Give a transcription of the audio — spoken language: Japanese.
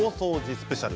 スペシャル